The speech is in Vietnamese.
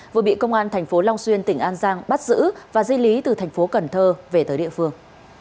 vừa bị công an tp long xuyên tỉnh an giang bắt giữ và di lý từ tp cần thơ về tới địa phương